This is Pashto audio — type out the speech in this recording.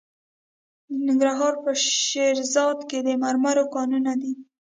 د ننګرهار په شیرزاد کې د مرمرو کانونه دي.